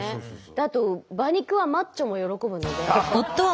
あと馬肉はマッチョも喜ぶので。